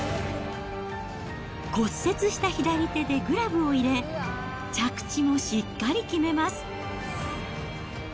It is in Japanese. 骨折した左手でグラブを入れ、着地もしっかり決めます。